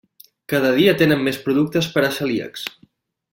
Cada dia tenen més productes per a celíacs.